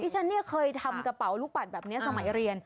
ฉันเนี่ยเคยทำกระเป๋าลูกปัดแบบนี้สมัยเรียน